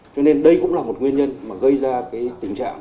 cho nên đây cũng là một nguyên nhân mà gây ra cái tình trạng